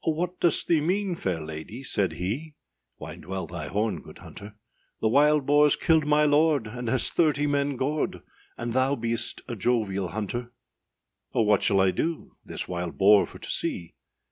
âOh, what dost thee mean, fair lady,â said he, Wind well thy horn, good hunter; âThe wild boarâs killed my lord, and has thirty men gored, And thou beest a jovial hunter.â âOh, what shall I do this wild boar for to see?